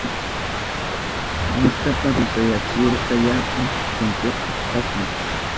Waskata pulsayachirka yapa timplakta kashpan.